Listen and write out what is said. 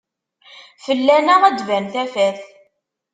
Fell-aneɣ ad d-tban tafat.